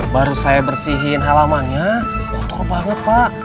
baru saya bersihin halamannya kotor banget pak